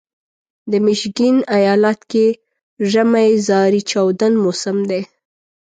د میشیګن ایالت کې ژمی زارې چاودون موسم دی.